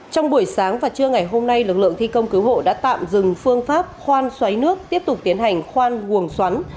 trong buổi sáng và trưa ngày hôm nay lực lượng thi công cứu hộ đã tạm dừng phương pháp khoan xoáy nước tiếp tục tiến hành khoan uổng xoắn